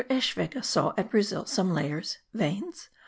Eschwege saw at Brazil some layers (veins?)